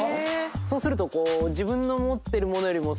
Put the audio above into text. そうすると。